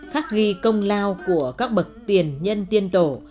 khắc ghi công lao của các bậc tiền nhân tiên tổ